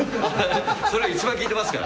それ一番聞いてますから。